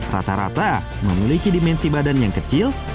rata rata memiliki dimensi badan yang kecil